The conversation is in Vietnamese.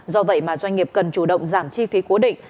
do vậy mà doanh nghiệp cần chủ động giảm chi phí cố định